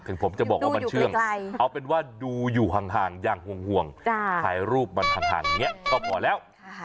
ถึงผมจะบอกว่ามันเชื่องเอาเป็นว่าดูอยู่ห่างอย่างห่วงถ่ายรูปมันห่างอย่างนี้ก็พอแล้ว